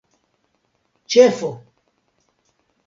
ĉefo